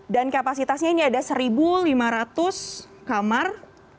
dan kapasitasnya ini ada seribu lima ratus kamar